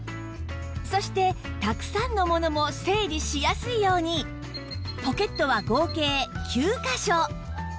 そしてたくさんのものも整理しやすいようにポケットは合計９カ所